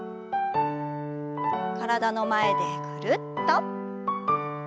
体の前でぐるっと。